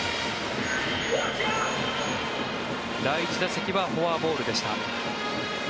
第１打席はフォアボールでした。